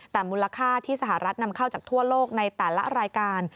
แต่มูลค่าที่สหรัฐนำเข้าจากทั่วโลกในแต่ละรายการ